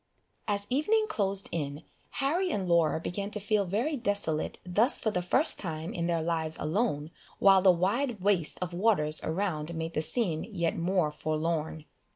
As evening closed in, Harry and Laura began to feel very desolate thus for the first time in their lives alone, while the wide waste of waters around made the scene yet more forlorn.